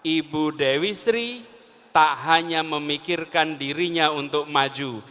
ibu dewi sri tak hanya memikirkan dirinya untuk maju